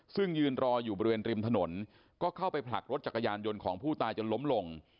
ซึ่งยืนรออยู่บริเวณริมถนนก็เข้าไปผลักรถจักรยานยนต์ของผู้ตายจนล้มลง